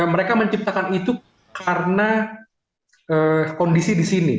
mereka menciptakan itu karena kondisi di sini